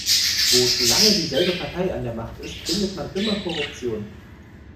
Wo zu lange dieselbe Partei an der Macht ist, findet man immer Korruption.